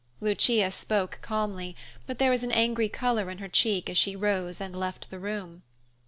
Lucia spoke calmly, but there was an angry color in her cheek as she rose and left the room.